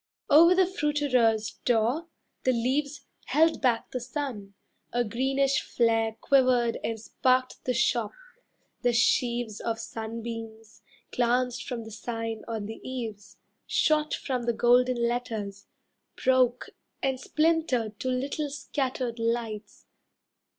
Over the fruiterer's door, the leaves Held back the sun, a greenish flare Quivered and sparked the shop, the sheaves Of sunbeams, glanced from the sign on the eaves, Shot from the golden letters, broke And splintered to little scattered lights.